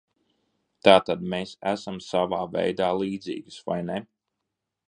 Tātad, mēs esam savā veidā līdzīgas, vai ne?